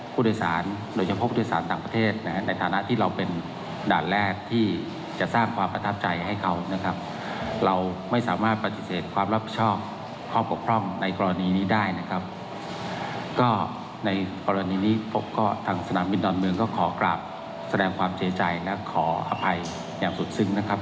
ก็ทางสนามบินดอนเมืองก็ขอกลับแสดงความเจ๋ยใจและขออภัยอย่างสุดซึ้งนะครับ